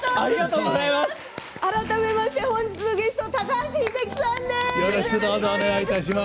改めまして、本日のゲスト高橋英樹さんです。